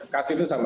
kas itu sama